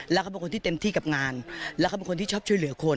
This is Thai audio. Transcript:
แล้วเขาเป็นคนที่เต็มที่กับงานแล้วเขาเป็นคนที่ชอบช่วยเหลือคน